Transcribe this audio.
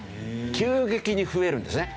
急激に増えるんですね。